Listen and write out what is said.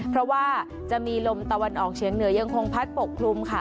เพราะว่าจะมีลมตะวันออกเฉียงเหนือยังคงพัดปกคลุมค่ะ